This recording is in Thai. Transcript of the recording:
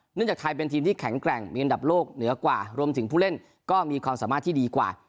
จากไทยเป็นทีมที่แข็งแกร่งมีอันดับโลกเหนือกว่ารวมถึงผู้เล่นก็มีความสามารถที่ดีกว่า